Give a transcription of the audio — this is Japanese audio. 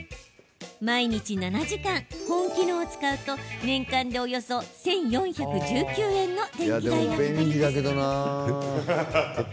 毎日７時間、保温機能を使うと年間でおよそ１４１９円の電気代がかかります。